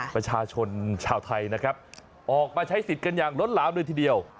ประชาชนชาวไทยนะครับออกมาใช้สิทธิ์กันอย่างล้นหลามเลยทีเดียว